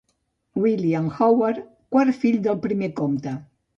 William Howard, quart fill del primer comte.